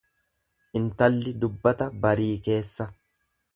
Intalli dubbata barii keessa.